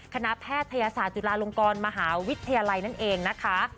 แพทยศาสตร์จุฬาลงกรมหาวิทยาลัยนั่นเองนะคะ